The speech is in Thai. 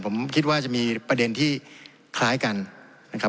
ผมคิดว่าจะมีประเด็นที่คล้ายกันนะครับ